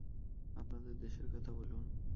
আপনাদের দেশের কথা বলুন।